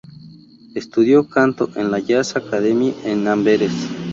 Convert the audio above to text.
Estudió canto en la Jazz Academie en Amberes.